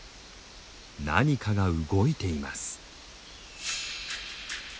何かが動いています。